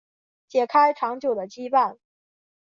解开长久的羁绊